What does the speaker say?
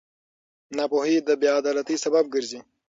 ناپوهي د بېعدالتۍ سبب ګرځي.